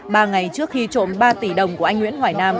ba ngày trước khi trộm ba tỷ đồng của anh nguyễn hoài nam